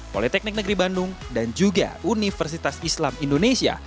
politeknik negeri bandung dan juga universitas islam indonesia